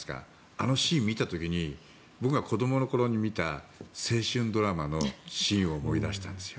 あのシーンを見た時に僕が子どもの頃に見た青春ドラマのシーンを思い出したんですよ。